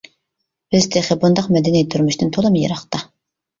بىز تېخى بۇنداق مەدەنىي تۇرمۇشتىن تولىمۇ يىراقتا.